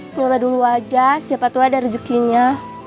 kuota dulu aja siapa tuh ada rezekinya